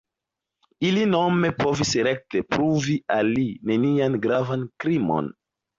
Ili nome povis rekte pruvi al li nenian gravan krimon.